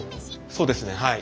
そうですねはい。